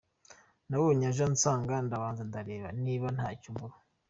Nabonye aje ansanga, ndabanza ndireba niba ntacyo mbura.